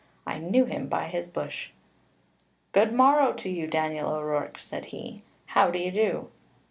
I knew him by his bush. "'Good morrow to you, Daniel O'Rourke,' said he; 'how do you do?'